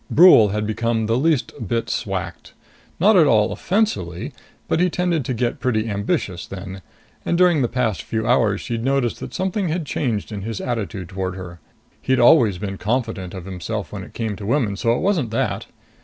Brule had become the least bit swacked. Not at all offensively, but he tended to get pretty ambitious then. And during the past few hours she'd noticed that something had changed in his attitude toward her. He'd always been confident of himself when it came to women, so it wasn't that.